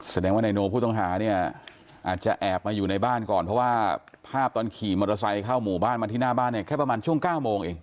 แสดงว่านายโนผู้ต้องหาเนี่ยอาจจะแอบมาอยู่ในบ้านก่อนเพราะว่าภาพตอนขี่มอเตอร์ไซค์เข้าหมู่บ้านมาที่หน้าบ้านเนี่ยแค่ประมาณช่วง๙โมงเอง